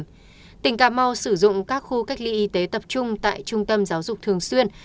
chủ tịch ubnd tỉnh cà mau sử dụng các khu cách ly y tế tập trung tại trung tâm giáo dục thường xuyên